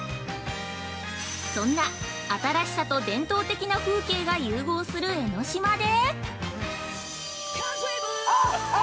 そんな新しさと伝統的な風景が融合する江の島で。